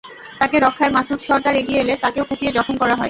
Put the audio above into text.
তাঁকে রক্ষায় মাসুদ সরদার এগিয়ে এলে তাঁকেও কুপিয়ে জখম করা হয়।